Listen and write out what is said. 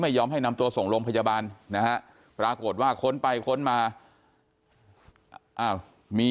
ไม่ยอมให้นำตัวส่งโรงพยาบาลนะฮะปรากฏว่าค้นไปค้นมาอ้าวมี